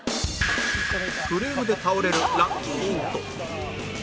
フレームで倒れるラッキーヒット